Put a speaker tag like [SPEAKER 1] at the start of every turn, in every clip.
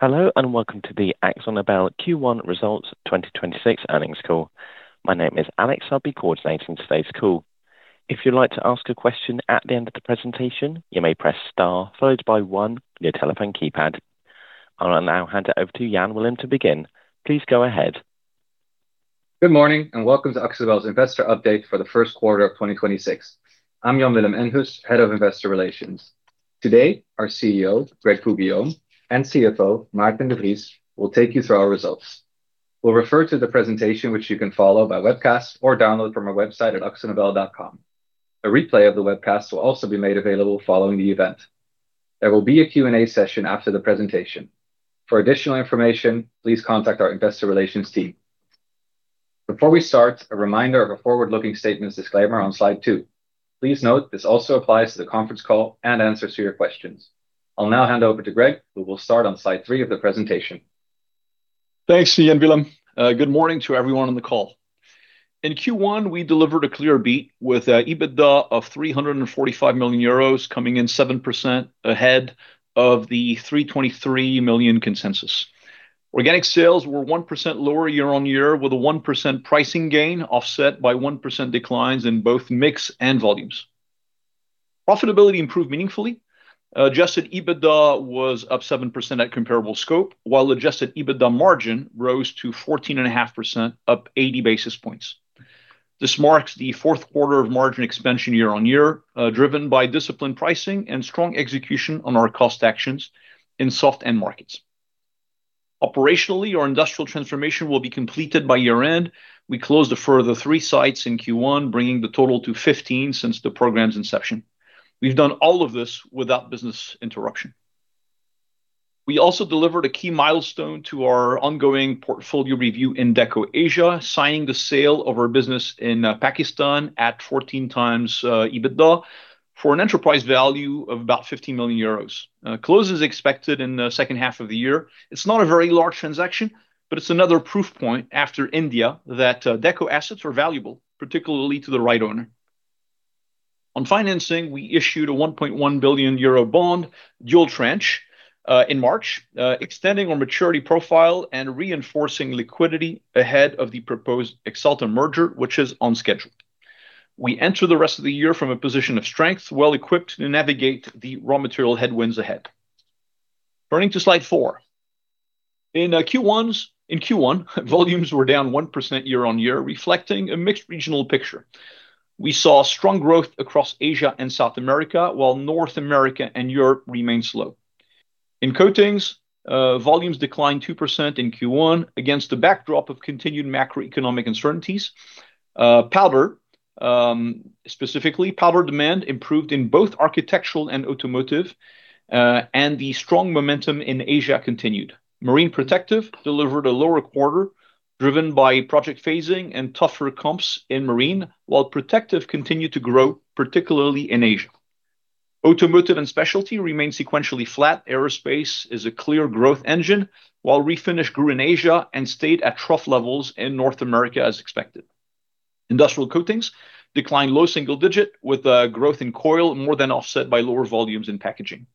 [SPEAKER 1] Hello, and welcome to the AkzoNobel Q1 Results 2026 earnings call. My name is Alex. I'll be coordinating today's call. If you'd like to ask a question at the end of the presentation, you may press star followed by one on your telephone keypad. I will now hand it over to Jan Willem Enhus to begin. Please go ahead.
[SPEAKER 2] Good morning, and welcome to AkzoNobel's investor update for the first quarter of 2026. I'm Jan Willem Enhus, Head of Investor Relations. Today, our CEO, Greg Poux-Guillaume, and CFO, Maarten de Vries, will take you through our results. We'll refer to the presentation, which you can follow by webcast or download from our website at akzonobel.com. A replay of the webcast will also be made available following the event. There will be a Q&A session after the presentation. For additional information, please contact our investor relations team. Before we start, a reminder of a forward-looking statements disclaimer on Slide two. Please note this also applies to the conference call and answers to your questions. I'll now hand over to Greg, who will start on Slide three of the presentation.
[SPEAKER 3] Thanks, Jan Willem. Good morning to everyone on the call. In Q1, we delivered a clear beat with EBITDA of 345 million euros, coming in 7% ahead of the 323 million consensus. Organic sales were 1% lower year-on-year, with a 1% pricing gain offset by 1% declines in both mix and volumes. Profitability improved meaningfully. Adjusted EBITDA was up 7% at comparable scope, while adjusted EBITDA margin rose to 14.5%, up 80 basis points. This marks the fourth quarter of margin expansion year-on-year, driven by disciplined pricing and strong execution on our cost actions in soft end markets. Operationally, our industrial transformation will be completed by year-end. We closed a further three sites in Q1, bringing the total to 15 since the program's inception. We've done all of this without business interruption. We also delivered a key milestone to our ongoing portfolio review in Deco Asia, signing the sale of our business in Pakistan at 14x EBITDA for an enterprise value of about 50 million euros. Close is expected in the second half of the year. It's not a very large transaction, but it's another proof point after India that Deco assets are valuable, particularly to the right owner. On financing, we issued a 1.1 billion euro bond dual tranche in March, extending our maturity profile and reinforcing liquidity ahead of the proposed Axalta merger, which is on schedule. We enter the rest of the year from a position of strength, well equipped to navigate the raw material headwinds ahead. Turning to Slide four. In Q1, volumes were down 1% year-on-year, reflecting a mixed regional picture. We saw strong growth across Asia and South America, while North America and Europe remained slow. In Coatings, volumes declined 2% in Q1 against the backdrop of continued macroeconomic uncertainties. Powder, specifically, powder demand improved in both architectural and automotive, and the strong momentum in Asia continued. Marine and Protective delivered a lower quarter, driven by project phasing and tougher comps in Marine, while Protective continued to grow, particularly in Asia. Automotive and Specialty remain sequentially flat. Aerospace is a clear growth engine, while Refinish grew in Asia and stayed at trough levels in North America as expected. Industrial Coatings declined low single digit, with growth in coil more than offset by lower volumes in packaging.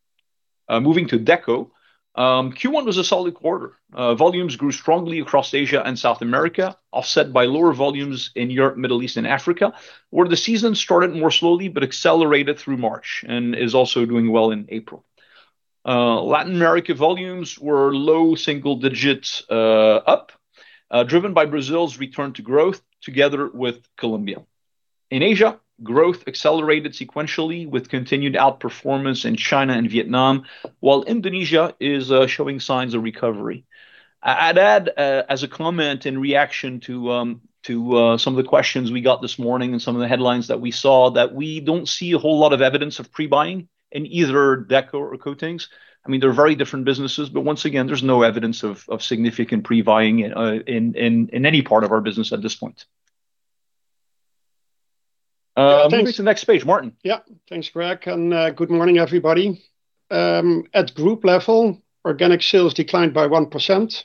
[SPEAKER 3] Moving to Deco. Q1 was a solid quarter. Volumes grew strongly across Asia and South America, offset by lower volumes in Europe, Middle East and Africa, where the season started more slowly but accelerated through March, and is also doing well in April. Latin America volumes were low single digits up, driven by Brazil's return to growth together with Colombia. In Asia, growth accelerated sequentially with continued outperformance in China and Vietnam, while Indonesia is showing signs of recovery. I'd add as a comment in reaction to some of the questions we got this morning and some of the headlines that we saw, that we don't see a whole lot of evidence of pre-buying in either Deco or Coatings. They're very different businesses, but once again, there's no evidence of significant pre-buying in any part of our business at this point.
[SPEAKER 4] Thanks.
[SPEAKER 3] Moving to the next page. Maarten.
[SPEAKER 4] Yeah. Thanks, Greg, and good morning, everybody. At group level, organic sales declined by 1%.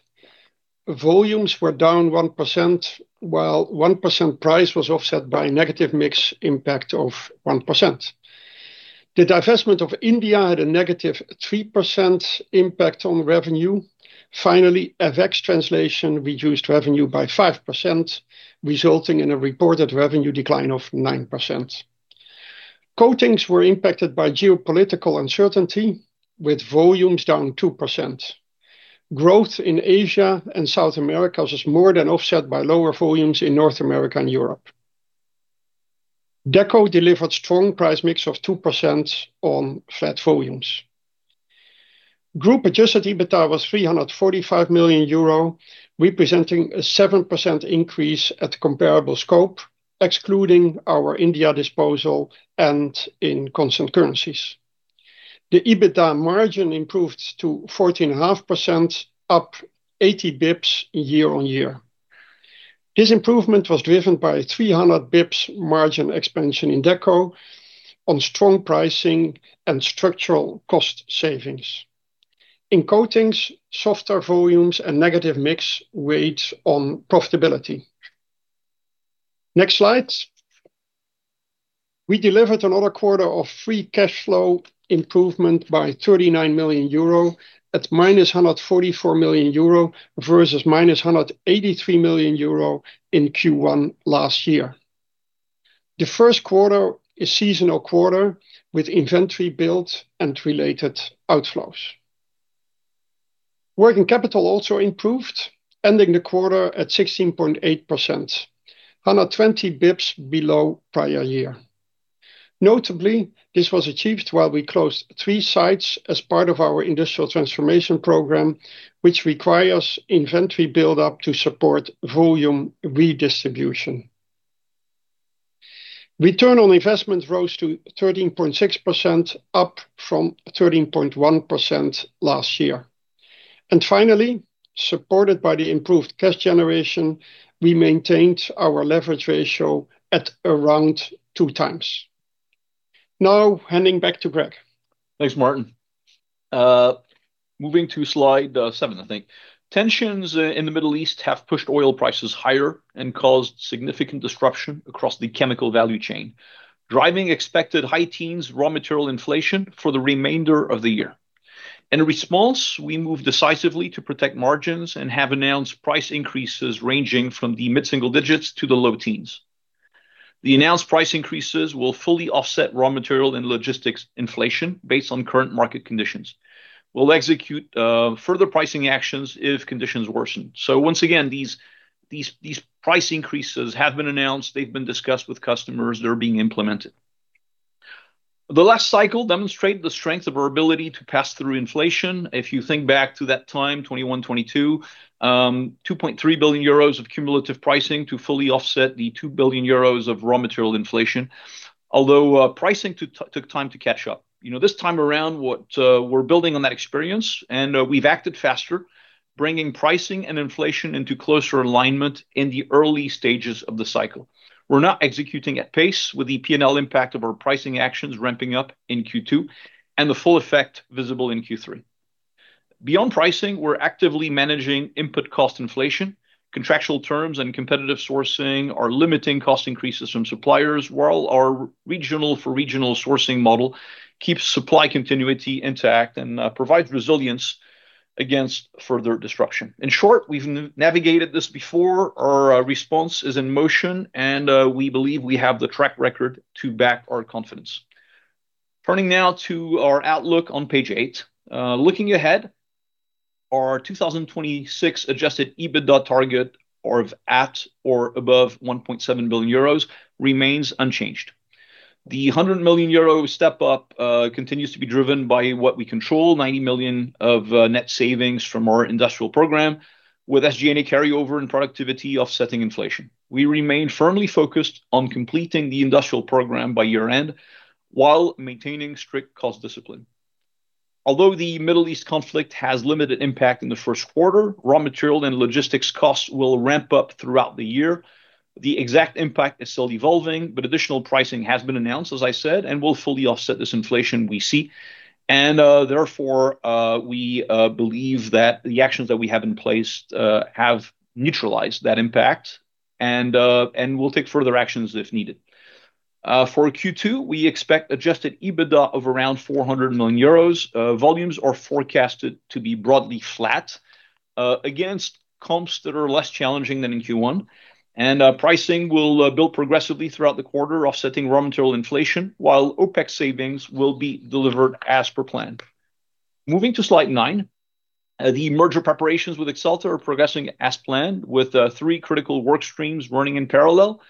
[SPEAKER 4] Volumes were down 1%, while 1% price was offset by a negative mix impact of 1%. The divestment of India had a negative 3% impact on revenue. Finally, FX translation reduced revenue by 5%, resulting in a reported revenue decline of 9%. Coatings were impacted by geopolitical uncertainty, with volumes down 2%. Growth in Asia and South America was more than offset by lower volumes in North America and Europe. Deco delivered strong price mix of 2% on flat volumes. Group adjusted EBITDA was 345 million euro, representing a 7% increase at comparable scope, excluding our India disposal and in constant currencies. The EBITDA margin improved to 14.5%, up 80 basis points year on year. This improvement was driven by a 300 basis points margin expansion in Deco on strong pricing and structural cost savings. In Coatings, softer volumes and negative mix weighed on profitability. Next slide. We delivered another quarter of free cash flow improvement by 39 million euro at -144 million euro versus -183 million euro in Q1 last year. The first quarter is seasonal quarter with inventory build and related outflows. Working capital also improved, ending the quarter at 16.8%, 120 basis points below prior year. Notably, this was achieved while we closed three sites as part of our industrial transformation program, which requires inventory buildup to support volume redistribution. Return on investment rose to 13.6%, up from 13.1% last year. Finally, supported by the improved cash generation, we maintained our leverage ratio at around two times. Now handing back to Greg.
[SPEAKER 3] Thanks, Maarten. Moving to slide seven, I think. Tensions in the Middle East have pushed oil prices higher and caused significant disruption across the chemical value chain, driving expected high teens raw material inflation for the remainder of the year. In response, we moved decisively to protect margins and have announced price increases ranging from the mid-single digits to the low teens. The announced price increases will fully offset raw material and logistics inflation based on current market conditions. We'll execute further pricing actions if conditions worsen. Once again, these price increases have been announced. They've been discussed with customers. They're being implemented. The last cycle demonstrated the strength of our ability to pass through inflation. If you think back to that time, 2021, 2022, 2.3 billion euros of cumulative pricing to fully offset the 2 billion euros of raw material inflation. Although pricing took time to catch up. This time around, we're building on that experience, and we've acted faster, bringing pricing and inflation into closer alignment in the early stages of the cycle. We are now executing at pace with the P&L impact of our pricing actions ramping up in Q2 and the full effect visible in Q3. Beyond pricing, we're actively managing input cost inflation, contractual terms, and competitive sourcing are limiting cost increases from suppliers while our regional sourcing model keeps supply continuity intact and provides resilience against further disruption. In short, we've navigated this before. Our response is in motion, and we believe we have the track record to back our confidence. Turning now to our outlook on page eight. Looking ahead, our 2026 adjusted EBITDA target of at or above 1.7 billion euros remains unchanged. The 100 million euro step up continues to be driven by what we control, 90 million of net savings from our industrial program, with SG&A carryover and productivity offsetting inflation. We remain firmly focused on completing the industrial program by year-end while maintaining strict cost discipline. Although the Middle East conflict has limited impact in the first quarter, raw material and logistics costs will ramp up throughout the year. The exact impact is still evolving, but additional pricing has been announced, as I said, and will fully offset this inflation we see. Therefore, we believe that the actions that we have in place have neutralized that impact and we'll take further actions if needed. For Q2, we expect adjusted EBITDA of around 400 million euros. Volumes are forecasted to be broadly flat against comps that are less challenging than in Q1. Pricing will build progressively throughout the quarter, offsetting raw material inflation, while OpEx savings will be delivered as per plan. Moving to slide nine. The merger preparations with Axalta are progressing as planned, with three critical work streams running in parallel.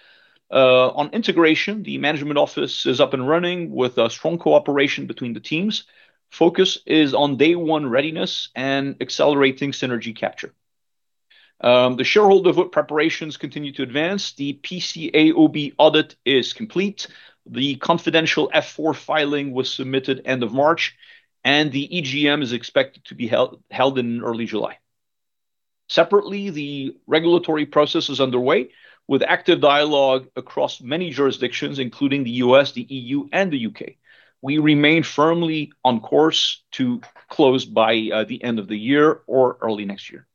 [SPEAKER 3] On integration, the management office is up and running with a strong cooperation between the teams. Focus is on day one readiness and accelerating synergy capture. The shareholder vote preparations continue to advance. The PCAOB audit is complete. The confidential F-4 filing was submitted end of March, and the EGM is expected to be held in early July. Separately, the regulatory process is underway with active dialogue across many jurisdictions, including the U.S., the EU and the U.K. We remain firmly on course to close by the end of the year or early next year.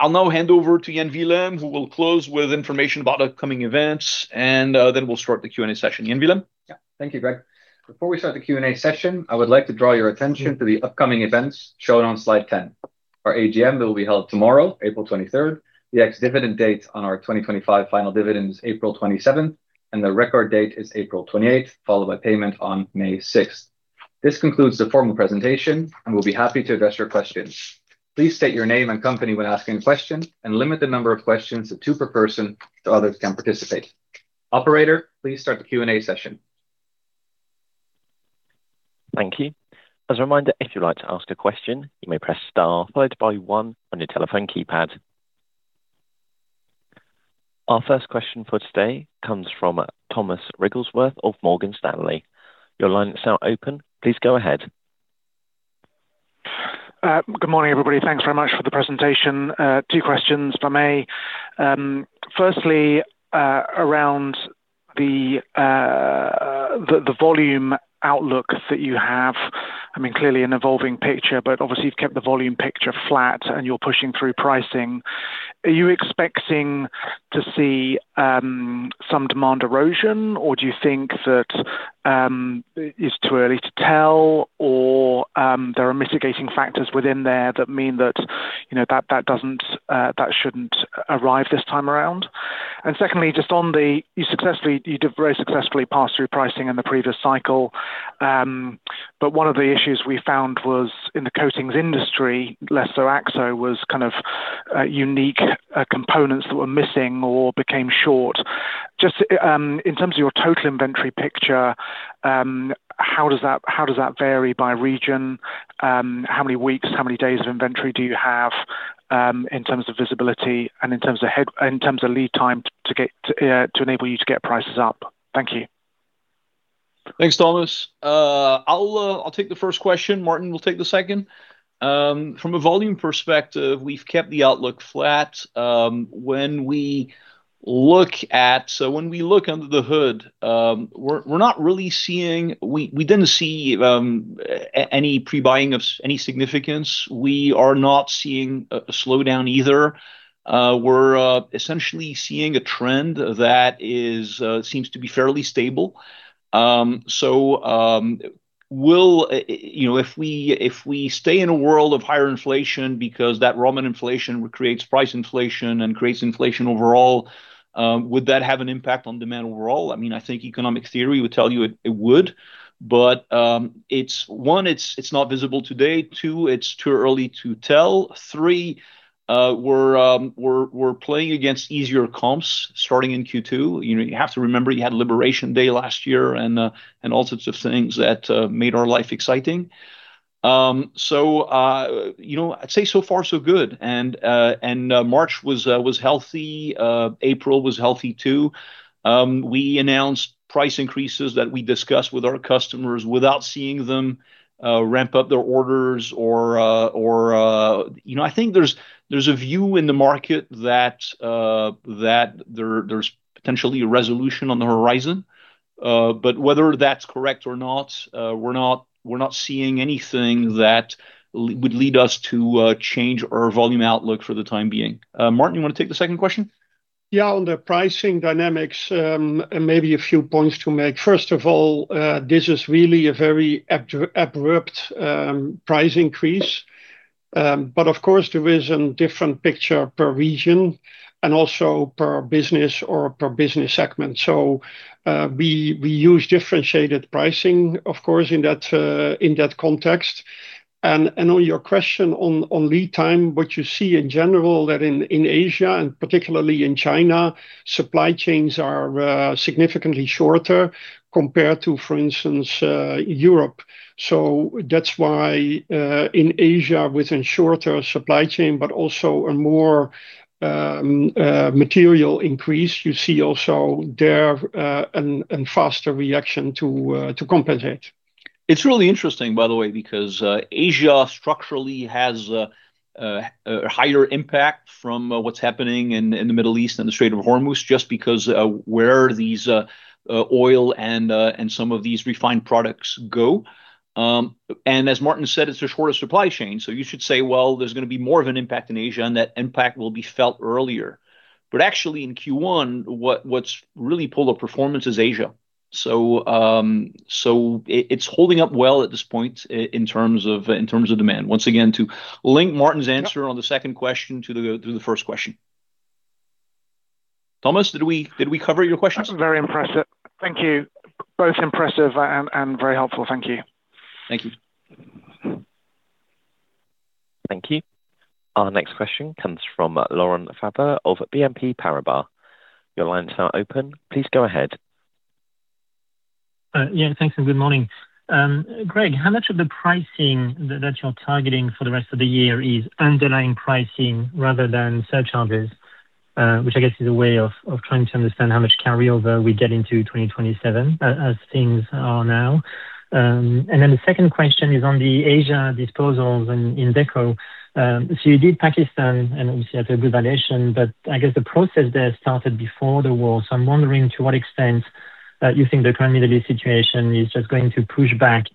[SPEAKER 3] I'll now hand over to Jan Willem, who will close with information about upcoming events, and then we'll start the Q&A session. Jan Willem?
[SPEAKER 2] Yeah. Thank you, Greg. Before we start the Q&A session, I would like to draw your attention to the upcoming events shown on slide 10. Our AGM that will be held tomorrow, April 23rd. The ex-dividend date on our 2025 final dividend is April 27th, and the record date is April 28th, followed by payment on May 6th. This concludes the formal presentation and we'll be happy to address your questions. Please state your name and company when asking a question, and limit the number of questions to two per person so others can participate. Operator, please start the Q&A session.
[SPEAKER 1] Thank you. As a reminder, if you'd like to ask a question, you may press star followed by one on your telephone keypad. Our first question for today comes from Thomas Wrigglesworth of Morgan Stanley. Your line is now open. Please go ahead.
[SPEAKER 5] Good morning, everybody. Thanks very much for the presentation. Two questions if I may. Firstly, around the volume outlook that you have. I mean, clearly an evolving picture, but obviously you've kept the volume picture flat and you're pushing through pricing. Are you expecting to see some demand erosion or do you think that it's too early to tell or there are mitigating factors within there that mean that shouldn't arrive this time around? Secondly, you very successfully passed through pricing in the previous cycle. One of the issues we found was in the coatings industry, especially Akzo was kind of unique components that were missing or became short. Just in terms of your total inventory picture, how does that vary by region? How many weeks, how many days of inventory do you have, in terms of visibility and in terms of lead time to enable you to get prices up? Thank you.
[SPEAKER 3] Thanks, Thomas. I'll take the first question. Maarten will take the second. From a volume perspective, we've kept the outlook flat. When we look under the hood, we didn't see any pre-buying of any significance. We are not seeing a slowdown either. We're essentially seeing a trend that seems to be fairly stable. If we stay in a world of higher inflation because that raw material inflation creates price inflation and creates inflation overall, would that have an impact on demand overall? I think economic theory would tell you it would, but, one, it's not visible today. Two, it's too early to tell. Three, we're playing against easier comps starting in Q2. You have to remember you had Liberation Day last year and all sorts of things that made our life exciting. I'd say so far so good. March was healthy. April was healthy, too. We announced price increases that we discussed with our customers without seeing them ramp up their orders. I think there's a view in the market that there's potentially a resolution on the horizon. Whether that's correct or not, we're not seeing anything that would lead us to change our volume outlook for the time being. Maarten, you want to take the second question?
[SPEAKER 4] Yeah. On the pricing dynamics, maybe a few points to make. First of all, this is really a very abrupt price increase. Of course, there is a different picture per region and also per business or per business segment. We use differentiated pricing, of course, in that context. On your question on lead time, what you see in general that in Asia and particularly in China, supply chains are significantly shorter compared to, for instance, Europe. That's why, in Asia, with a shorter supply chain, but also a more material increase, you see also there a faster reaction to compensate.
[SPEAKER 3] It's really interesting, by the way, because Asia structurally has a higher impact from what's happening in the Middle East and the Strait of Hormuz, just because where these oil and some of these refined products go. As Maarten said, it's a shorter supply chain. You should say, well, there's going to be more of an impact in Asia, and that impact will be felt earlier. Actually in Q1, what's really pulled up performance is Asia. It's holding up well at this point in terms of demand. Once again, to link Maarten's answer on the second question to the first question. Thomas, did we cover your questions?
[SPEAKER 5] That's very impressive. Thank you. Both impressive and very helpful. Thank you.
[SPEAKER 3] Thank you.
[SPEAKER 1] Thank you. Our next question comes from Laurent Favre of BNP Paribas. Your line's now open. Please go ahead.
[SPEAKER 6] Yeah, thanks and good morning. Greg, how much of the pricing that you're targeting for the rest of the year is underlying pricing rather than surcharges? Which I guess is a way of trying to understand how much carryover we get into 2027 as things are now. The second question is on the Asia disposals and in Deco. You did Pakistan and obviously had a good valuation, but I guess the process there started before the war. I'm wondering to what extent you think the current Middle East situation is just going to push back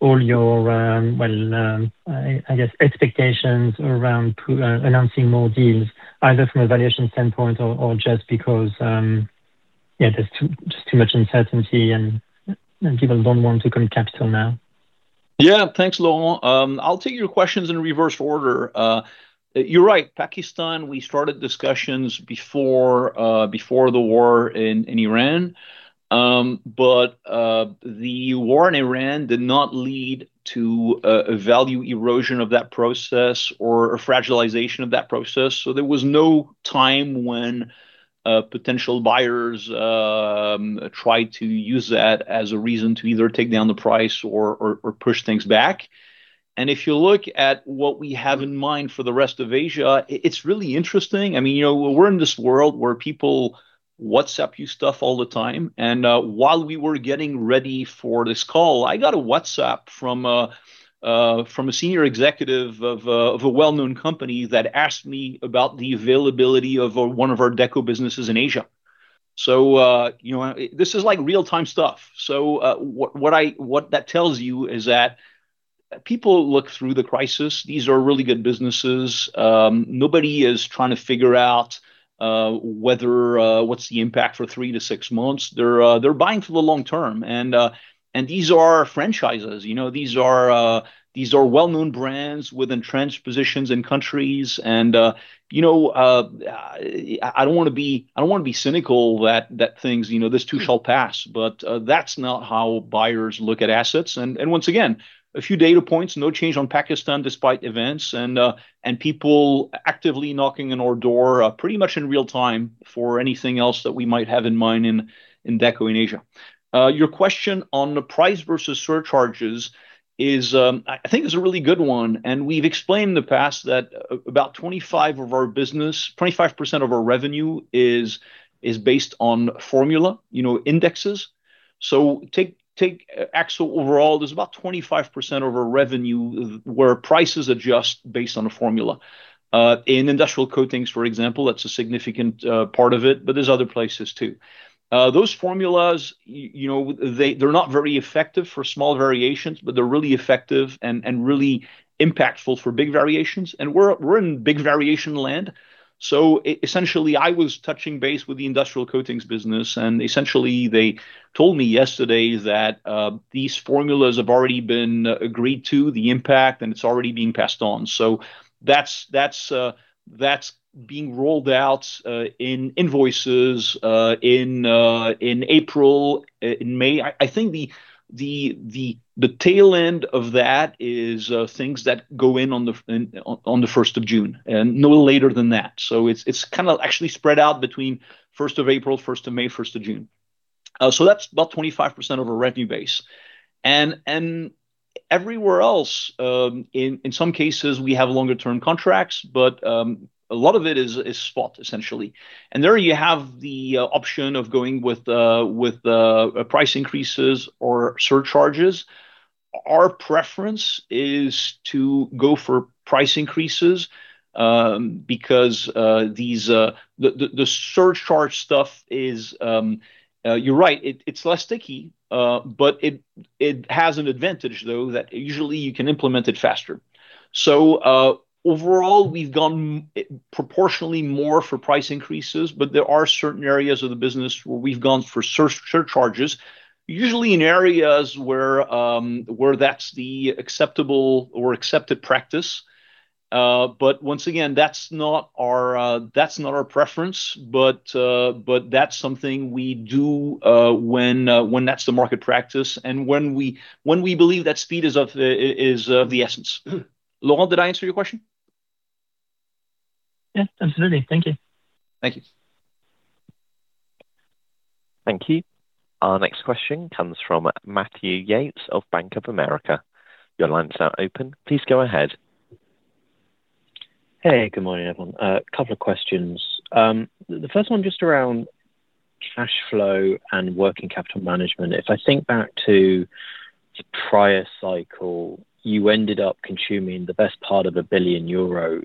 [SPEAKER 6] all your, well, I guess, expectations around announcing more deals, either from a valuation standpoint or just because, yeah, there's too, just too much uncertainty and people don't want to commit capital now.
[SPEAKER 3] Yeah. Thanks, Laurent. I'll take your questions in reverse order. You're right. Pakistan, we started discussions before the war in Iran. The war in Iran did not lead to a value erosion of that process or a fragilization of that process. There was no time when potential buyers tried to use that as a reason to either take down the price or push things back. If you look at what we have in mind for the rest of Asia, it's really interesting. We're in this world where people WhatsApp you stuff all the time. While we were getting ready for this call, I got a WhatsApp from a senior executive of a well-known company that asked me about the availability of one of our Deco businesses in Asia. This is like real-time stuff. What that tells you is that people look through the crisis. These are really good businesses. Nobody is trying to figure out what's the impact for three to six months. They're buying for the long term, and these are franchises. These are well-known brands with entrenched positions in countries. I don't want to be cynical that this too shall pass, but that's not how buyers look at assets. Once again, a few data points, no change on Pakistan despite events and people actively knocking on our door, pretty much in real time for anything else that we might have in mind in Deco in Asia. Your question on the price versus surcharges, I think is a really good one. We've explained in the past that about 25% of our revenue is based on formula, indexes. Take Akzo overall, there's about 25% of our revenue where prices adjust based on a formula. In Industrial Coatings, for example, that's a significant part of it, but there's other places too. Those formulas, they're not very effective for small variations, but they're really effective and really impactful for big variations. We're in big variation land. Essentially, I was touching base with the Industrial Coatings business, and essentially, they told me yesterday that these formulas have already been agreed to, the impact, and it's already being passed on. That's being rolled out in invoices in April, in May. I think the tail end of that is things that go in on the 1st of June, and no later than that. It's kind of actually spread out between 1st of April, 1st of May, 1st of June. That's about 25% of our revenue base. Everywhere else, in some cases, we have longer-term contracts, but a lot of it is spot, essentially. There you have the option of going with price increases or surcharges. Our preference is to go for price increases because the surcharge stuff is, you're right, it's less sticky. It has an advantage, though, that usually you can implement it faster. Overall, we've gone proportionally more for price increases, but there are certain areas of the business where we've gone for surcharges, usually in areas where that's the acceptable or accepted practice. Once again, that's not our preference, but that's something we do when that's the market practice and when we believe that speed is of the essence. Laurent, did I answer your question?
[SPEAKER 6] Yeah, absolutely. Thank you.
[SPEAKER 3] Thank you.
[SPEAKER 1] Thank you. Our next question comes from Matthew Yates of Bank of America. Your line's now open. Please go ahead.
[SPEAKER 7] Hey, good morning, everyone. A couple of questions. The first one just around cash flow and working capital management. If I think back to the prior cycle, you ended up consuming the best part of 1 billion euros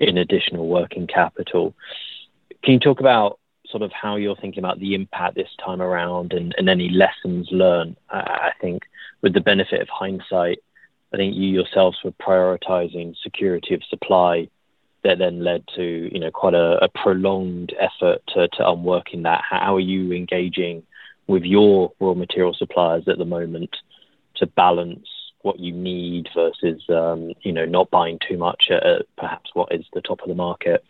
[SPEAKER 7] in additional working capital. Can you talk about how you're thinking about the impact this time around and any lessons learned? I think with the benefit of hindsight, you yourselves were prioritizing security of supply that then led to quite a prolonged effort to unwinding that. How are you engaging with your raw material suppliers at the moment to balance what you need versus not buying too much at perhaps what is the top of the market?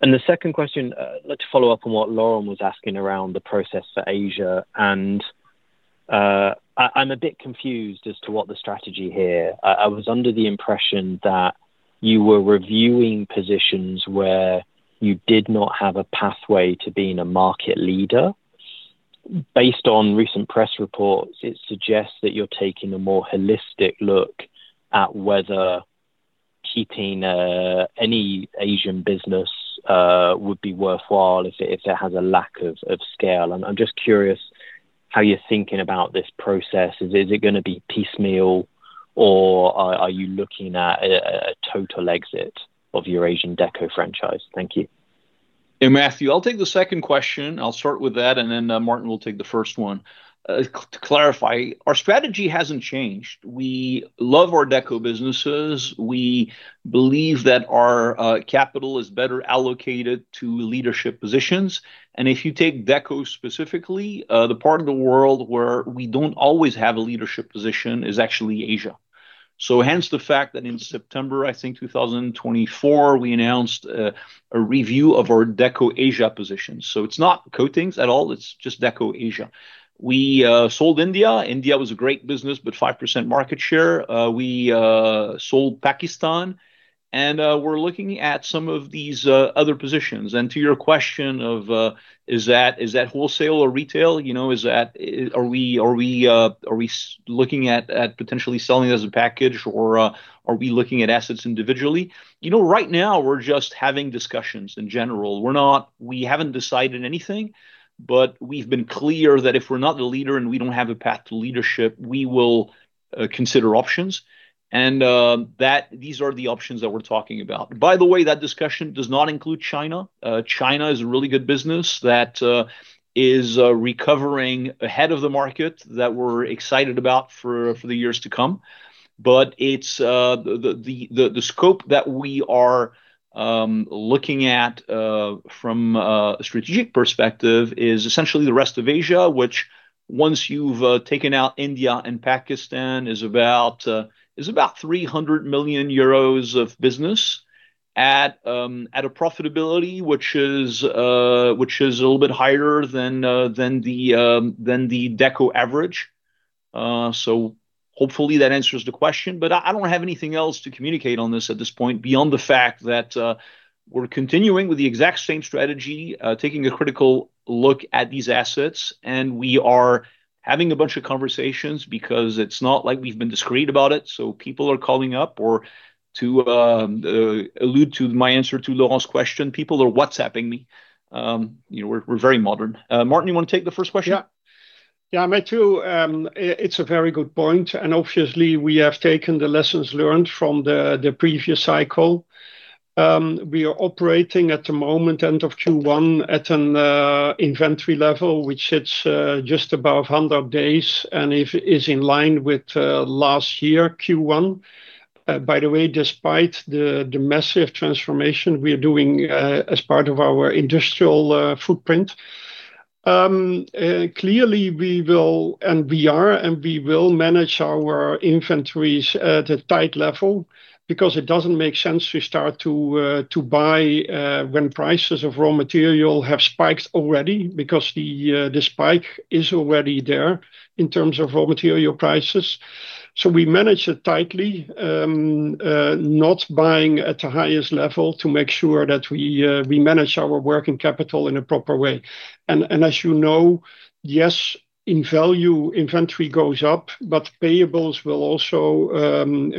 [SPEAKER 7] The second question, I'd like to follow up on what Laurent was asking around the progress for Asia, and I'm a bit confused as to what the strategy here. I was under the impression that you were reviewing positions where you did not have a pathway to being a market leader. Based on recent press reports, it suggests that you're taking a more holistic look at whether keeping any Asian business would be worthwhile if it has a lack of scale. I'm just curious how you're thinking about this process. Is it going to be piecemeal, or are you looking at a total exit of your Asian Deco franchise? Thank you.
[SPEAKER 3] Hey, Matthew. I'll take the second question. I'll start with that, and then Maarten will take the first one. To clarify, our strategy hasn't changed. We love our Deco businesses. We believe that our capital is better allocated to leadership positions. If you take Deco specifically, the part of the world where we don't always have a leadership position is actually Asia. Hence the fact that in September, I think 2024, we announced a review of our Deco Asia position. It's not coatings at all. It's just Deco Asia. We sold India. India was a great business, but 5% market share. We sold Pakistan, and we're looking at some of these other positions. To your question of, is that wholesale or retail? Are we looking at potentially selling it as a package, or are we looking at assets individually? Right now, we're just having discussions in general. We haven't decided anything, but we've been clear that if we're not the leader and we don't have a path to leadership, we will consider options. These are the options that we're talking about. By the way, that discussion does not include China. China is a really good business that is recovering ahead of the market that we're excited about for the years to come. The scope that we are looking at from a strategic perspective is essentially the rest of Asia, which once you've taken out India and Pakistan, is about 300 million euros of business at a profitability which is a little bit higher than the Deco average. So hopefully that answers the question. I don't have anything else to communicate on this at this point, beyond the fact that we're continuing with the exact same strategy, taking a critical look at these assets, and we are having a bunch of conversations because it's not like we've been discreet about it, so people are calling up. To allude to my answer to Laurent's question, people are WhatsApping me. We're very modern. Maarten, you want to take the first question?
[SPEAKER 4] Yeah. Matthew, it's a very good point, and obviously, we have taken the lessons learned from the previous cycle. We are operating at the moment, end of Q1, at an inventory level which sits just above 100 days and is in line with last year Q1. By the way, despite the massive transformation we are doing as part of our industrial footprint, clearly we will, and we are, and we will manage our inventories at a tight level because it doesn't make sense to start to buy when prices of raw material have spiked already, because the spike is already there in terms of raw material prices. We manage it tightly, not buying at the highest level to make sure that we manage our working capital in a proper way. As you know, yes, in value, inventory goes up, but payables will also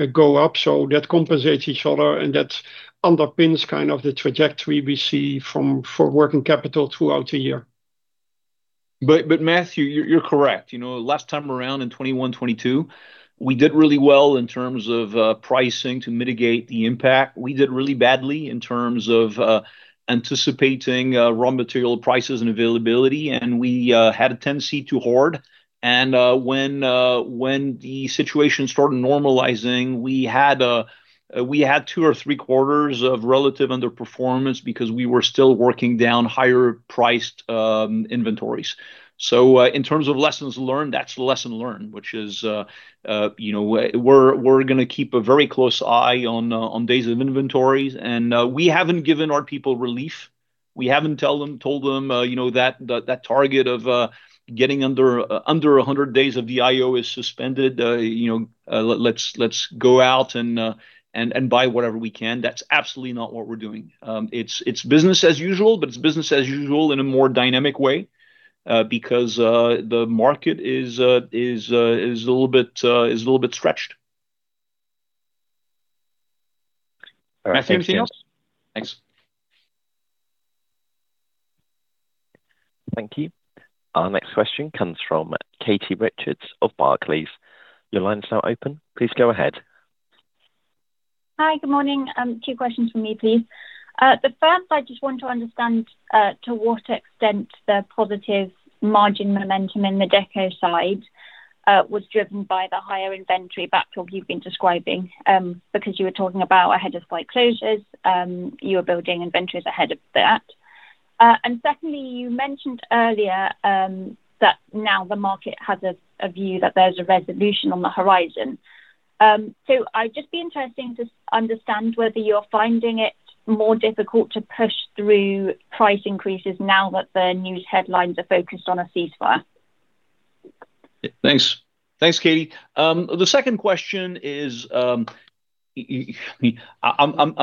[SPEAKER 4] go up, so that compensates each other and that underpins kind of the trajectory we see for working capital throughout a year.
[SPEAKER 3] Matthew, you're correct. Last time around in 2021, 2022, we did really well in terms of pricing to mitigate the impact. We did really badly in terms of anticipating raw material prices and availability, and we had a tendency to hoard. When the situation started normalizing, we had two or three quarters of relative underperformance because we were still working down higher priced inventories. In terms of lessons learned, that's the lesson learned, which is we're going to keep a very close eye on days of inventories. We haven't given our people relief. We haven't told them that target of getting under 100 days of DIO is suspended, let's go out and buy whatever we can. That's absolutely not what we're doing. It's business as usual, but it's business as usual in a more dynamic way, because the market is a little bit stretched.
[SPEAKER 7] All right.
[SPEAKER 3] Matthew, anything else? Thanks.
[SPEAKER 1] Thank you. Our next question comes from Katie Richards of Barclays. Your line is now open. Please go ahead.
[SPEAKER 8] Hi. Good morning. Two questions from me, please. The first, I just want to understand to what extent the positive margin momentum in the Deco side was driven by the higher inventory backfill you've been describing, because you were talking about ahead of site closures, you were building inventories ahead of that. Secondly, you mentioned earlier that now the market has a view that there's a resolution on the horizon. I'd just be interested to understand whether you're finding it more difficult to push through price increases now that the news headlines are focused on a ceasefire.
[SPEAKER 3] Thanks, Katie. The second question is. I'm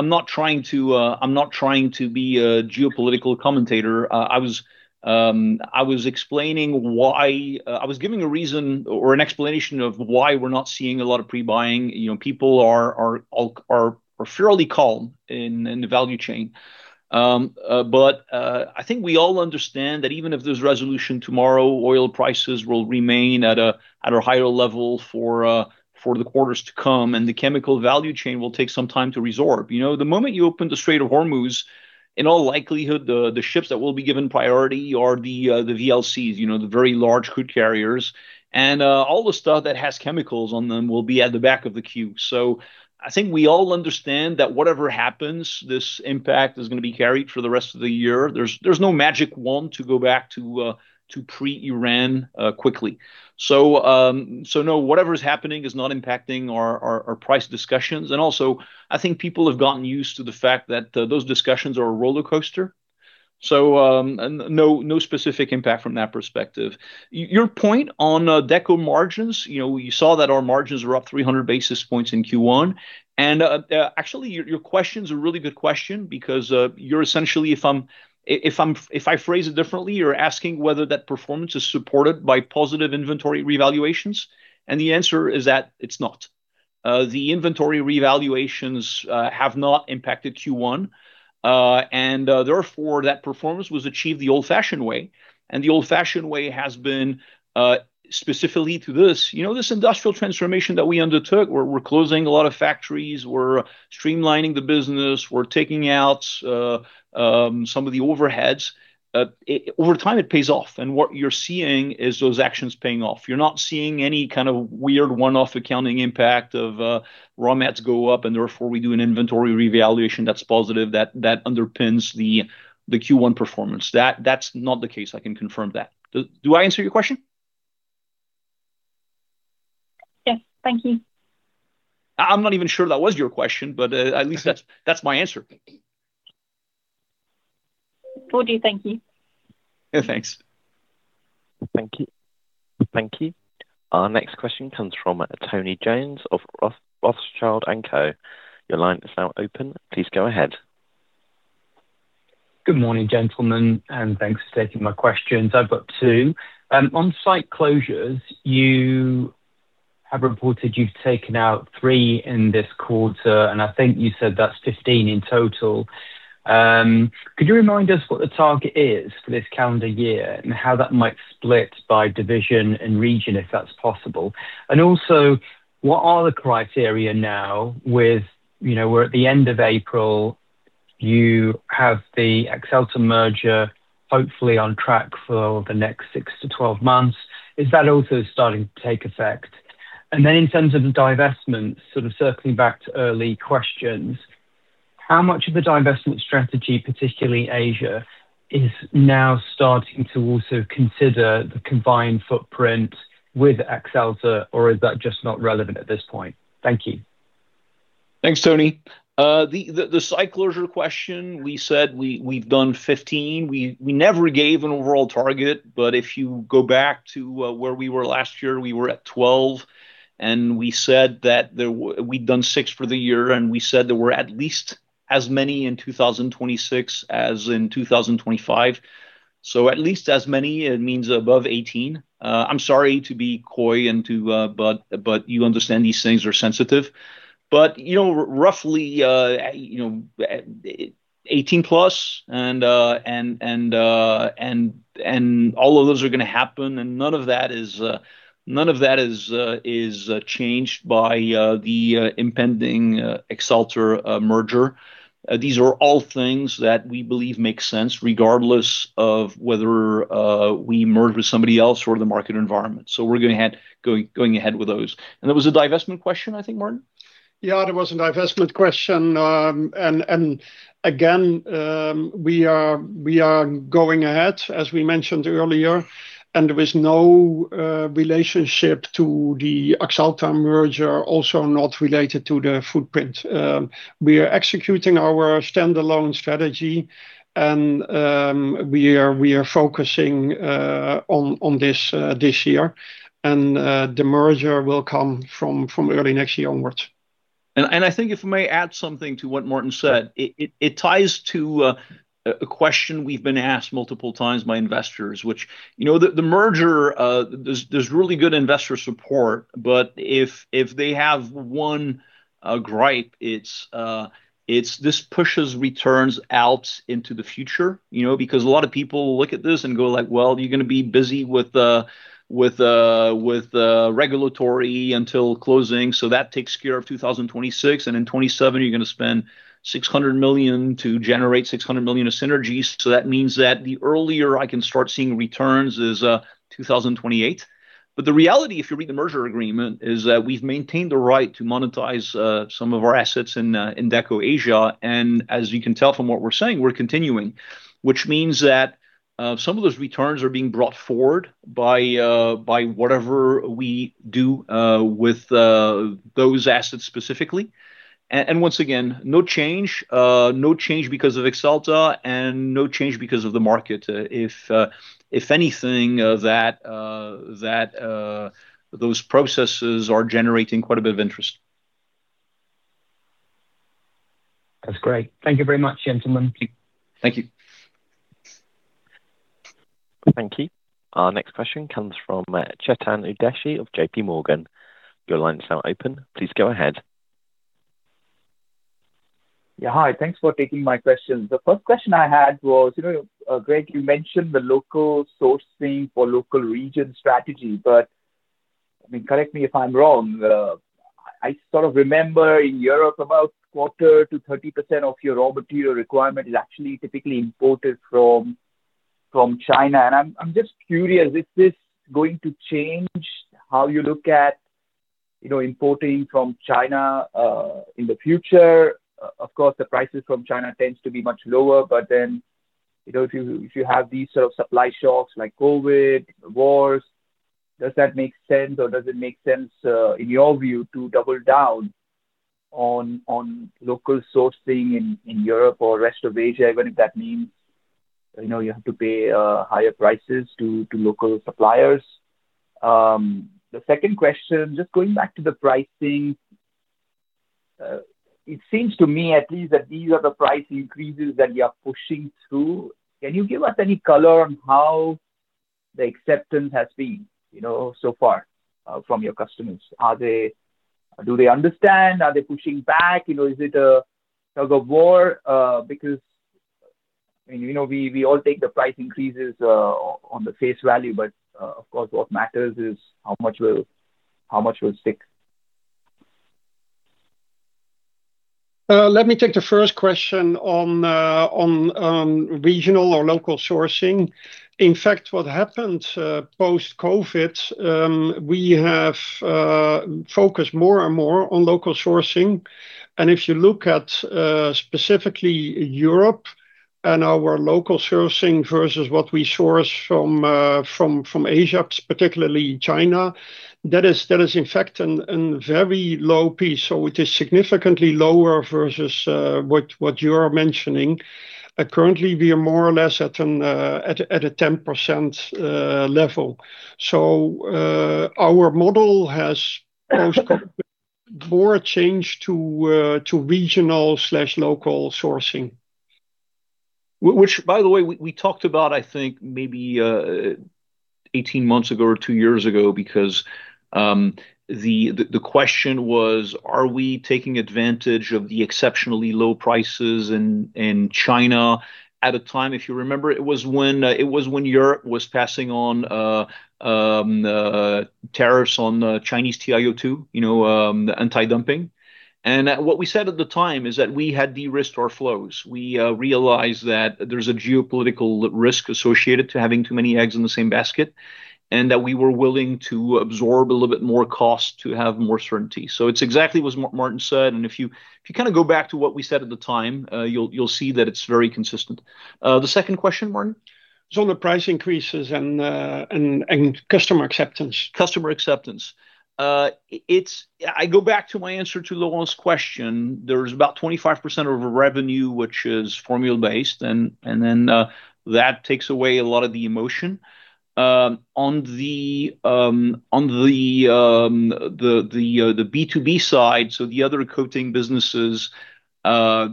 [SPEAKER 3] not trying to be a geopolitical commentator. I was giving a reason or an explanation of why we're not seeing a lot of pre-buying. People are fairly calm in the value chain. I think we all understand that even if there's resolution tomorrow, oil prices will remain at a higher level for the quarters to come, and the chemical value chain will take some time to resorb. The moment you open the Strait of Hormuz, in all likelihood, the ships that will be given priority are the VLCCs, the Very Large Crude Carriers, and all the stuff that has chemicals on them will be at the back of the queue. I think we all understand that whatever happens, this impact is going to be carried for the rest of the year. There's no magic wand to go back to pre-Iran quickly. No, whatever is happening is not impacting our price discussions. Also, I think people have gotten used to the fact that those discussions are a roller coaster. No specific impact from that perspective. Your point on Deco margins, you saw that our margins were up 300 basis points in Q1. Actually, your question is a really good question because you're essentially, if I phrase it differently, you're asking whether that performance is supported by positive inventory revaluations. The answer is that it's not. The inventory revaluations have not impacted Q1, and therefore, that performance was achieved the old-fashioned way, and the old-fashioned way has been specifically through this industrial transformation that we undertook. We're closing a lot of factories. We're streamlining the business. We're taking out some of the overheads. Over time, it pays off. What you're seeing is those actions paying off. You're not seeing any kind of weird one-off accounting impact of raw mats go up, and therefore, we do an inventory revaluation that's positive that underpins the Q1 performance. That's not the case, I can confirm that. Do I answer your question?
[SPEAKER 8] Yes. Thank you.
[SPEAKER 3] I'm not even sure that was your question, but at least that's my answer.
[SPEAKER 8] Will do. Thank you.
[SPEAKER 3] Yeah, thanks.
[SPEAKER 1] Thank you. Our next question comes from Tony Jones of Rothschild & Co. Your line is now open, please go ahead.
[SPEAKER 9] Good morning, gentlemen, and thanks for taking my questions. I've got two. On site closures, you have reported you've taken out three in this quarter, and I think you said that's 15 in total. Could you remind us what the target is for this calendar year and how that might split by division and region, if that's possible? What are the criteria now with, we're at the end of April, you have the Axalta merger hopefully on track for the next six to 12 months. Is that also starting to take effect? In terms of divestments, sort of circling back to early questions, how much of the divestment strategy, particularly Asia, is now starting to also consider the combined footprint with Axalta or is that just not relevant at this point? Thank you.
[SPEAKER 3] Thanks, Tony. The site closure question, we said we've done 15. We never gave an overall target, but if you go back to where we were last year, we were at 12 and we said that we'd done six for the year, and we said there were at least as many in 2026 as in 2025. At least as many, it means above 18. I'm sorry to be coy, but you understand these things are sensitive. Roughly 18+, and all of those are going to happen and none of that is changed by the impending Axalta merger. These are all things that we believe make sense regardless of whether we merge with somebody else or the market environment. We're going ahead with those. There was a divestment question, I think, Maarten?
[SPEAKER 4] Yeah, there was a divestment question. Again, we are going ahead, as we mentioned earlier, and there is no relationship to the Axalta merger, also not related to the footprint. We are executing our standalone strategy and we are focusing on this year. The merger will come from early next year onwards.
[SPEAKER 3] I think if I may add something to what Maarten said. It ties to a question we've been asked multiple times by investors, which the merger, there's really good investor support. If they have one gripe, it's this pushes returns out into the future. Because a lot of people look at this and go like, "Well, you're going to be busy with regulatory until closing, so that takes care of 2026. In 2027, you're going to spend 600 million to generate 600 million of synergies. So that means that the earlier I can start seeing returns is 2028." The reality, if you read the merger agreement, is that we've maintained the right to monetize some of our assets in Deco Asia. As you can tell from what we're saying, we're continuing, which means that some of those returns are being brought forward by whatever we do with those assets specifically. Once again, no change. No change because of Axalta and no change because of the market. If anything, those processes are generating quite a bit of interest.
[SPEAKER 9] That's great. Thank you very much, gentlemen.
[SPEAKER 3] Thank you.
[SPEAKER 1] Thank you. Our next question comes from Chetan Udeshi of JP Morgan. Your line is now open. Please go ahead.
[SPEAKER 10] Yeah. Hi. Thanks for taking my question. The first question I had was, Greg, you mentioned the local sourcing for local region strategy. Correct me if I'm wrong, I sort of remember in Europe about 25%-30% of your raw material requirement is actually typically imported from China. I'm just curious, is this going to change how you look at importing from China, in the future? Of course, the prices from China tends to be much lower. If you have these sort of supply shocks like COVID, wars, does that make sense, or does it make sense, in your view, to double down on local sourcing in Europe or rest of Asia, even if that means you have to pay higher prices to local suppliers? The second question, just going back to the pricing. It seems to me at least that these are the price increases that you are pushing through. Can you give us any color on how the acceptance has been so far from your customers? Do they understand? Are they pushing back? Is it a tug of war? Because we all take the price increases on the face value, but of course, what matters is how much will stick.
[SPEAKER 4] Let me take the first question on regional or local sourcing. In fact, what happened post-COVID, we have focused more and more on local sourcing. If you look at specifically Europe and our local sourcing versus what we source from Asia, particularly China, that is in fact a very low piece. It is significantly lower versus what you're mentioning. Currently, we are more or less at a 10% level. Our model has more changed to regional/local sourcing.
[SPEAKER 3] Which by the way, we talked about, I think maybe 18 months ago or two years ago, because the question was: Are we taking advantage of the exceptionally low prices in China at a time, if you remember, it was when Europe was passing on tariffs on Chinese TiO2, the anti-dumping. What we said at the time is that we had de-risked our flows. We realized that there's a geopolitical risk associated to having too many eggs in the same basket, and that we were willing to absorb a little bit more cost to have more certainty. It's exactly what Maarten said, and if you go back to what we said at the time, you'll see that it's very consistent. The second question, Maarten?
[SPEAKER 4] It's on the price increases and customer acceptance.
[SPEAKER 3] Customer acceptance. I go back to my answer to Laurent's question. There's about 25% of revenue, which is formula-based, and then that takes away a lot of the emotion. On the B2B side, so the other coating businesses, the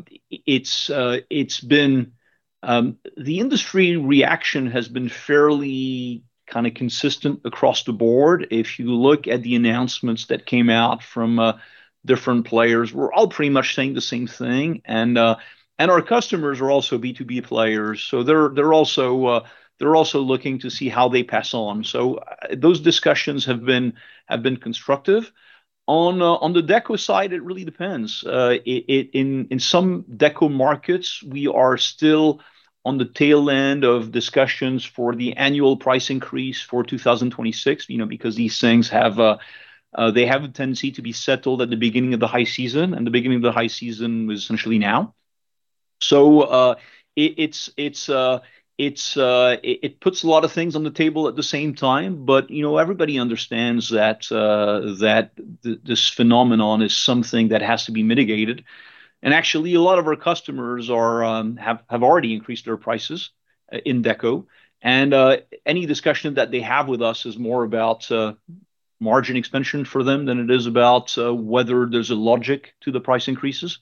[SPEAKER 3] industry reaction has been fairly consistent across the board. If you look at the announcements that came out from different players, we're all pretty much saying the same thing. Our customers are also B2B players, so they're also looking to see how they pass on. Those discussions have been constructive. On the Deco side, it really depends. In some Deco markets, we are still on the tail end of discussions for the annual price increase for 2026, because these things have a tendency to be settled at the beginning of the high season, and the beginning of the high season was essentially now. It puts a lot of things on the table at the same time, but everybody understands that this phenomenon is something that has to be mitigated. Actually, a lot of our customers have already increased their prices in Deco, and any discussion that they have with us is more about margin expansion for them than it is about whether there's a logic to the price increases.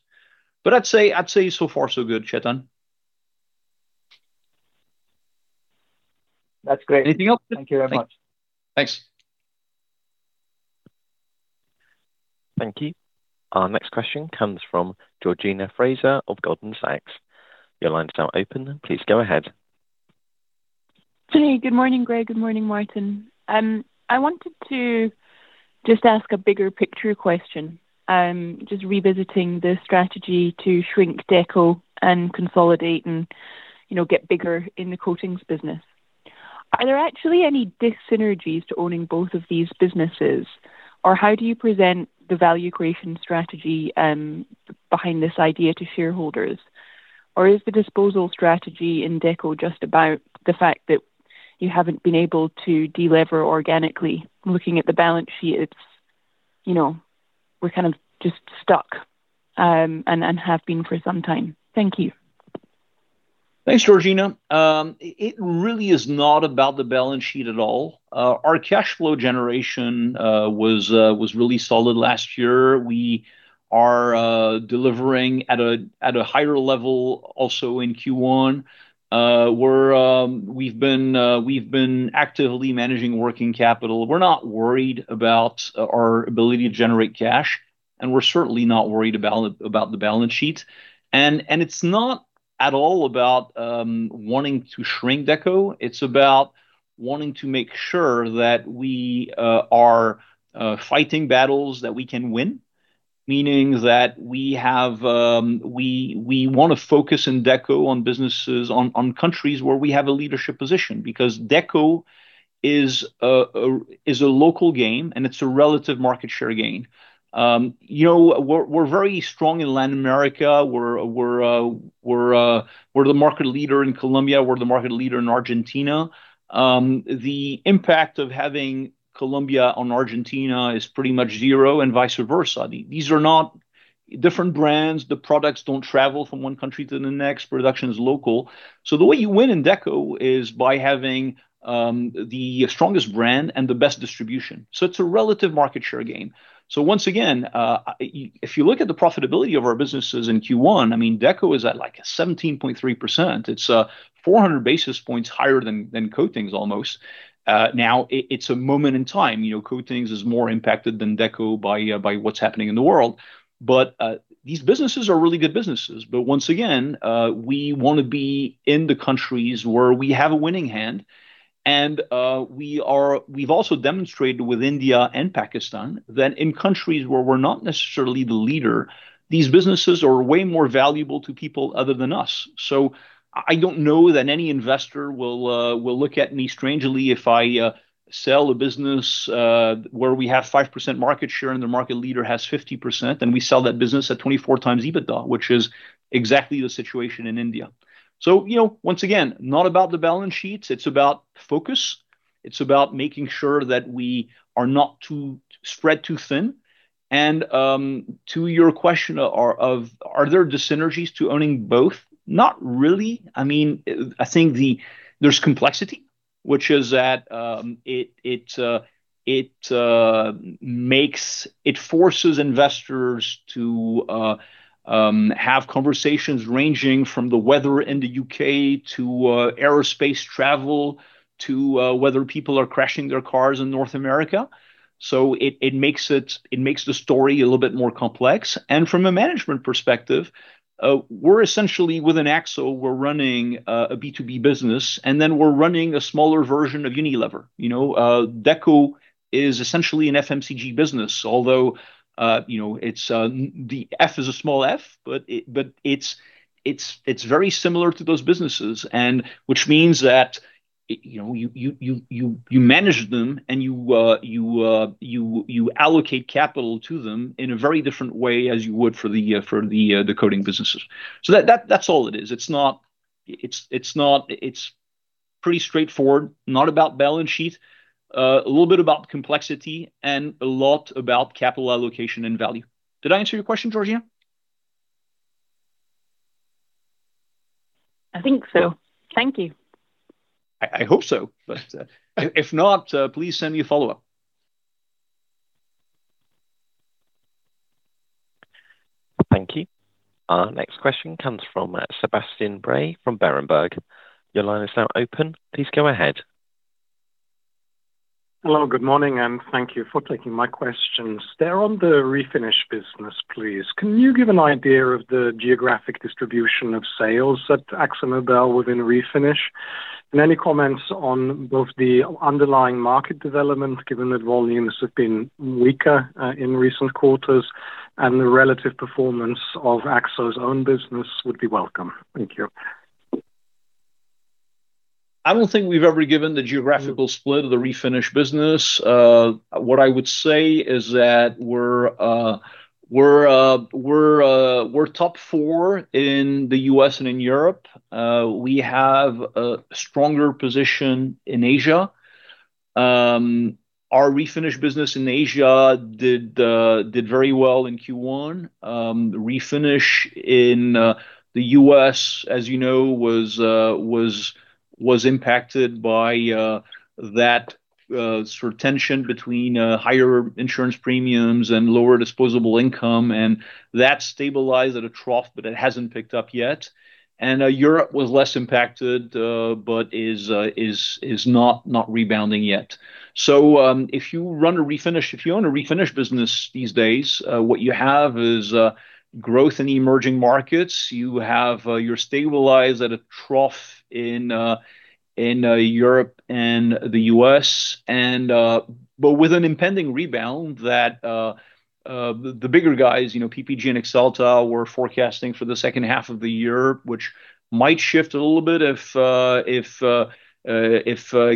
[SPEAKER 3] I'd say so far so good, Chetan.
[SPEAKER 10] That's great.
[SPEAKER 3] Anything else?
[SPEAKER 10] Thank you very much.
[SPEAKER 3] Thanks.
[SPEAKER 1] Thank you. Our next question comes from Georgina Fraser of Goldman Sachs. Your line's now open. Please go ahead.
[SPEAKER 11] Good morning, Greg. Good morning, Maarten. I wanted to just ask a bigger picture question. Just revisiting the strategy to shrink Deco and consolidate and get bigger in the coatings business. Are there actually any dyssynergies to owning both of these businesses? Or how do you present the value creation strategy behind this idea to shareholders? Or is the disposal strategy in Deco just about the fact that you haven't been able to delever organically? Looking at the balance sheet, we're kind of just stuck, and have been for some time. Thank you.
[SPEAKER 3] Thanks, Georgina. It really is not about the balance sheet at all. Our cash flow generation was really solid last year. We are delivering at a higher level also in Q1. We've been actively managing working capital. We're not worried about our ability to generate cash, and we're certainly not worried about the balance sheet. It's not at all about wanting to shrink Deco, it's about wanting to make sure that we are fighting battles that we can win, meaning that we want to focus in Deco on businesses, on countries where we have a leadership position, because Deco is a local game and it's a relative market share gain. We're very strong in Latin America. We're the market leader in Colombia. We're the market leader in Argentina. The impact of having Colombia on Argentina is pretty much zero and vice versa. These are not different brands. The products don't travel from one country to the next. Production is local. The way you win in Deco is by having the strongest brand and the best distribution. It's a relative market share gain. Once again, if you look at the profitability of our businesses in Q1, Deco is at like 17.3%. It's 400 basis points higher than Coatings almost. Now, it's a moment in time. Coatings is more impacted than Deco by what's happening in the world. These businesses are really good businesses. Once again, we want to be in the countries where we have a winning hand. We've also demonstrated with India and Pakistan that in countries where we're not necessarily the leader, these businesses are way more valuable to people other than us. I don't know that any investor will look at me strangely if I sell a business where we have 5% market share and the market leader has 50%, and we sell that business at 24x EBITDA, which is exactly the situation in India. Once again, not about the balance sheets, it's about focus. It's about making sure that we are not spread too thin. To your question of are there dissynergies to owning both? Not really. I think there's complexity, which is that it forces investors to have conversations ranging from the weather in the U.K. to aerospace travel, to whether people are crashing their cars in North America. It makes the story a little bit more complex. And from a management perspective, we're essentially, with an Axalta, we're running a B2B business, and then we're running a smaller version of Unilever. Deco is essentially an FMCG business, although the F is a small F, but it's very similar to those businesses, which means that you manage them, and you allocate capital to them in a very different way as you would for the coatings businesses. That's all it is. It's pretty straightforward, not about balance sheet. A little bit about complexity and a lot about capital allocation and value. Did I answer your question, Georgina Fraser?
[SPEAKER 11] I think so. Thank you.
[SPEAKER 3] I hope so. If not, please send me a follow-up.
[SPEAKER 1] Thank you. Our next question comes from Sebastian Bray from Berenberg. Your line is now open. Please go ahead.
[SPEAKER 12] Hello. Good morning, and thank you for taking my questions. They're on the Refinish business, please. Can you give an idea of the geographic distribution of sales at AkzoNobel within Refinish? Any comments on both the underlying market development, given that volumes have been weaker in recent quarters, and the relative performance of Akzo's own business would be welcome. Thank you.
[SPEAKER 3] I don't think we've ever given the geographical split of the Refinish business. What I would say is that we're top four in the U.S. and in Europe. We have a stronger position in Asia. Our Refinish business in Asia did very well in Q1. Refinish in the U.S., as you know, was impacted by that sort of tension between higher insurance premiums and lower disposable income, and that stabilized at a trough, but it hasn't picked up yet. Europe was less impacted, but is not rebounding yet. If you own a Refinish business these days, what you have is growth in emerging markets. You're stabilized at a trough in Europe and the U.S., but with an impending rebound that the bigger guys, PPG and Axalta, were forecasting for the second half of the year, which might shift a little bit if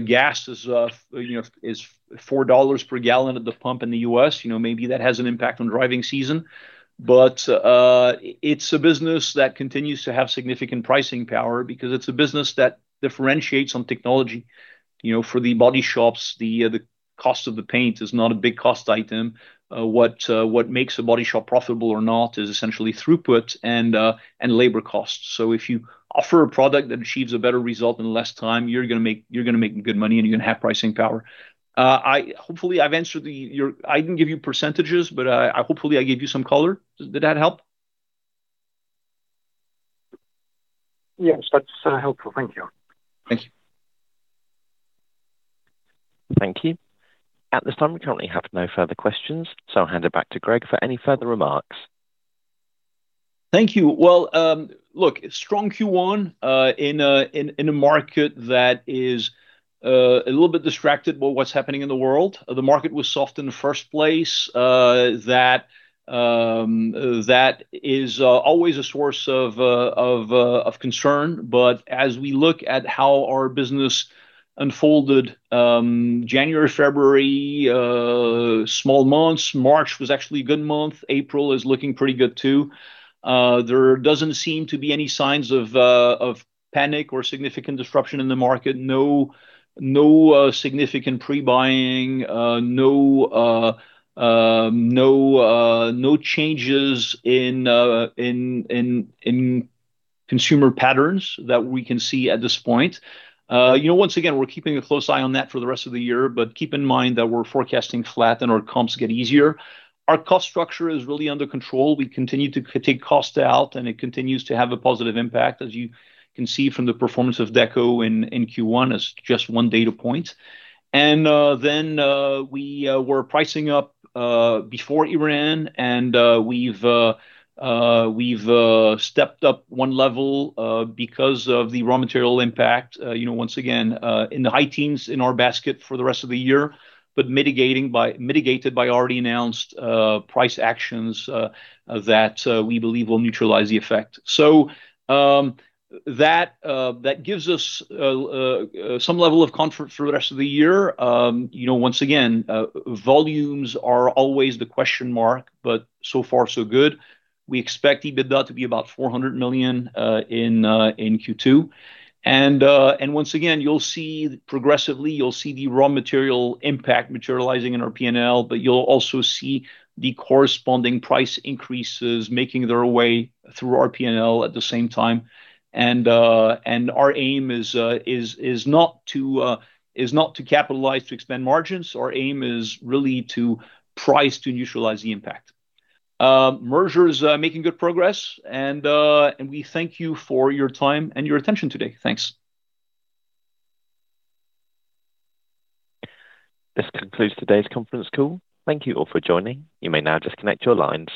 [SPEAKER 3] gas is $4 per gallon at the pump in the U.S. Maybe that has an impact on driving season. It's a business that continues to have significant pricing power because it's a business that differentiates on technology. For the body shops, the cost of the paint is not a big cost item. What makes a body shop profitable or not is essentially throughput and labor costs. If you offer a product that achieves a better result in less time, you're gonna make good money and you're gonna have pricing power. I didn't give you percentages, but hopefully I gave you some color. Did that help?
[SPEAKER 12] Yes, that's helpful. Thank you.
[SPEAKER 3] Thank you.
[SPEAKER 1] Thank you. At this time, we currently have no further questions, so I'll hand it back to Greg for any further remarks.
[SPEAKER 3] Thank you. Well, look, strong Q1 in a market that is a little bit distracted by what's happening in the world. The market was soft in the first place. That is always a source of concern. As we look at how our business unfolded, January, February, small months, March was actually a good month. April is looking pretty good, too. There doesn't seem to be any signs of panic or significant disruption in the market. No significant pre-buying, no changes in consumer patterns that we can see at this point. Once again, we're keeping a close eye on that for the rest of the year, but keep in mind that we're forecasting flat and our comps get easier. Our cost structure is really under control. We continue to take cost out, and it continues to have a positive impact, as you can see from the performance of Deco in Q1 as just one data point. We were pricing up before Iran, and we've stepped up one level because of the raw material impact. Once again, in the high teens in our basket for the rest of the year, but mitigated by already announced price actions that we believe will neutralize the effect. That gives us some level of comfort for the rest of the year. Once again, volumes are always the question mark, but so far so good. We expect EBITDA to be about 400 million in Q2. Once again, progressively, you'll see the raw material impact materializing in our P&L, but you'll also see the corresponding price increases making their way through our P&L at the same time. Our aim is not to capitalize to expand margins. Our aim is really to price to neutralize the impact. Merger is making good progress, and we thank you for your time and your attention today. Thanks.
[SPEAKER 1] This concludes today's conference call. Thank you all for joining. You may now disconnect your lines.